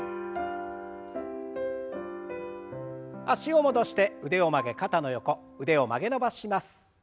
脚を戻して腕を曲げ肩の横腕を曲げ伸ばしします。